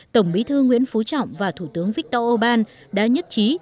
tổng bí thư nguyễn phú trọng và thủ tướng viktor orbán đã nhất trí